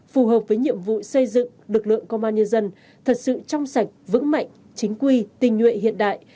phù hợp với nhiệm vụ xây dựng lực lượng công an nhân dân thật sự trong sạch vững mạnh chính quy tình nguyện hiện đại